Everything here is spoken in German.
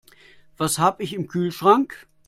Was habe ich im Kühlschrank?